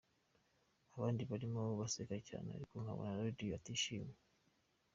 Abandi barimo baseka cyane ariko nkabona Radio atishimye.